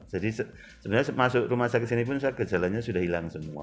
jadi sebenarnya masuk rumah sakit sini pun gejalanya sudah hilang semua